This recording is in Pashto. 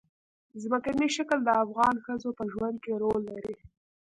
ځمکنی شکل د افغان ښځو په ژوند کې رول لري.